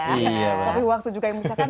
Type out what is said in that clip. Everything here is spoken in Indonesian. tapi waktu juga yang bisa kan